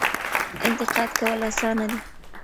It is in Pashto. انتقاد کول اسانه دي.